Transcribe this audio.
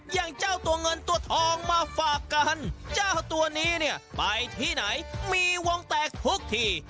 อย่างเจ้าตัวเงินตัวทองมาฝากกันเจ้าตัวนี้เนี่ยไปที่ไหนมีวงแตกทุกที